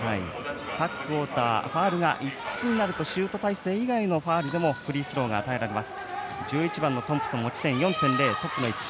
各クオーターファウルが５つになりますとシュート体勢以外のファウルでもフリースローが与えられます。